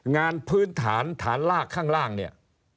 งานพื้นฐานฐานลากข้างล่างเนี่ย